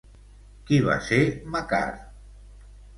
Qui va ser Macar?